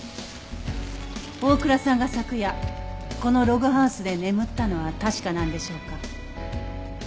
大倉さんが昨夜このログハウスで眠ったのは確かなんでしょうか？